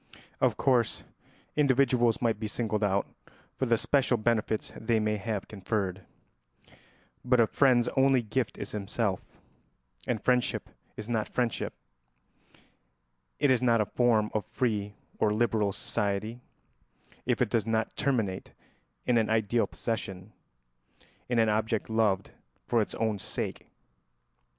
Of course, individuals might be singled out for the special benefits they may have conferred; but a friend's only gift is himself, and friendship is not friendship, it is not a form of free or liberal society, if it does not terminate in an ideal possession, in an object loved for its own sake.